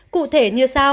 cụ thể như sau